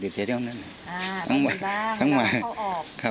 อย่างเทียดในห้องนั้นน่ะอ่าจะเข้าออกใช่ไหมครับ